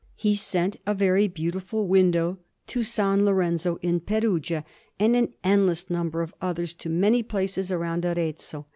He sent a very beautiful window to S. Lorenzo in Perugia, and an endless number of others to many places round Arezzo.